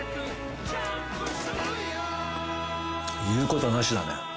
言うことなしだね。